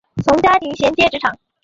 从家庭衔接职场